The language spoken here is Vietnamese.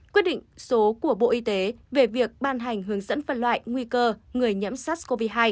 quyết định số của bộ y tế về việc ban hành hướng dẫn phân loại nguy cơ người nhiễm sars cov hai